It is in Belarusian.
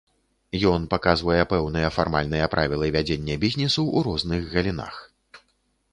Ён паказвае пэўныя фармальныя правілы вядзення бізнесу ў розных галінах.